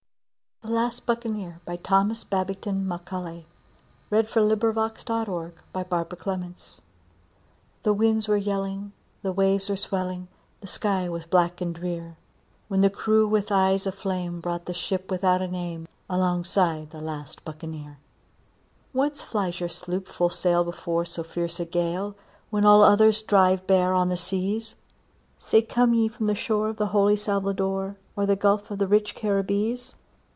hear The sounds of thy light footsteps as they go. Thomas Babbington Macaulay The Last Buccaneer THE winds were yelling, the waves were swelling, The sky was black and drear, When the crew with eyes of flame brought the ship without a name Alongside the last Buccaneer. "Whence flies your sloop full sail before so fierce a gale, When all others drive bare on the seas? Say, come ye from the shore of the holy Salvador, Or the gulf of the rich Caribbees?"